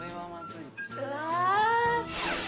うわ。